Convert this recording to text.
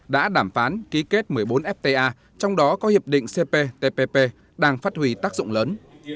đã đàm phán ký kết một mươi bốn fta trong đó có hiệp định cptpp đang phát huy tác dụng lớn